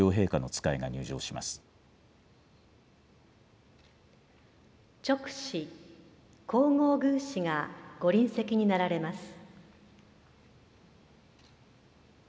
勅使、皇后宮使がご臨席になられます。